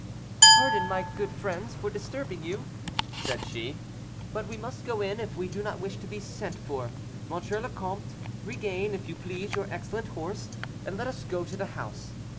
"Pardon, my good friends, for disturbing you," said she, "but we must go in if we do not wish to be sent for. M. le Comte, regain, if you please, your excellent horse, and let us go to the house.